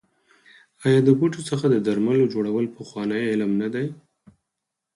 آیا د بوټو څخه د درملو جوړول پخوانی علم نه دی؟